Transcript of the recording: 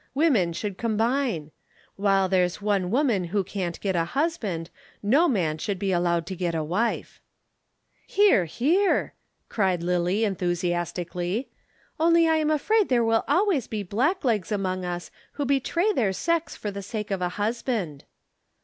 Women should combine. While there's one woman who can't get a husband, no man should be allowed to get a wife." "Hear, hear!" cried Lillie enthusiastically. "Only I am afraid there will always be blacklegs among us who will betray their sex for the sake of a husband."